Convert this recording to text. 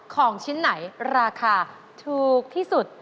ของชิ้นไหนราคาถูกที่สุด